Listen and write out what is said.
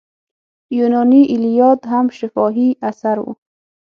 یوناني ایلیاد هم شفاهي اثر و.